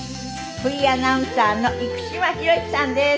フリーアナウンサーの生島ヒロシさんです。